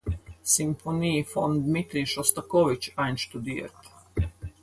Symphonie von Dmitri Schostakowitsch einstudiert.